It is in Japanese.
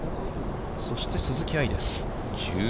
そして鈴木愛です。